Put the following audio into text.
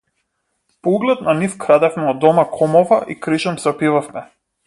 По углед на нив крадевме од дома комова и кришум се опивавме.